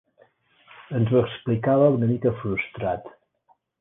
Ens ho explicava una mica frustrat.